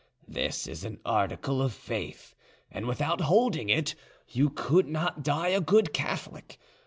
This is an article of faith, and without holding it you could not die a good Catholic.